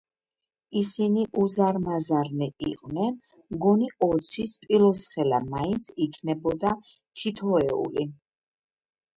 ისინი უზარმაზარნი იყვნენ. მგონი, ოცი სპილოსხელა მაინც იქნებოდა თითოეული.